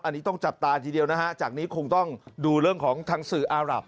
อันนี้ต้องจับตาทีเดียวนะฮะจากนี้คงต้องดูเรื่องของทางสื่ออารับ